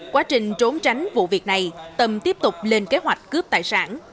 quá trình trốn tránh vụ việc này tâm tiếp tục lên kế hoạch cướp tài sản